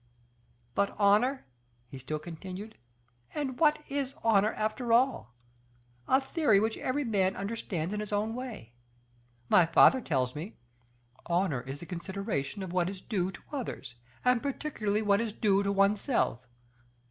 But honor?" he still continued, "and what is honor after all? A theory which every man understands in his own way. My father tells me: 'Honor is the consideration of what is due to others, and particularly what is due to oneself.